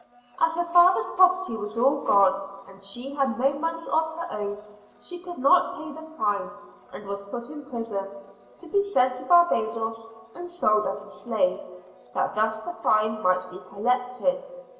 As her father's property was all gone, and she had no money of her own, she could not pay the fine, and was put in prison, to be sent to Barbados, and sold as a slave, that thus the fine might be collected.